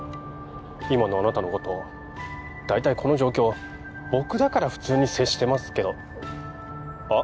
今のあなたのこと大体この状況僕だから普通に接してますけどあっ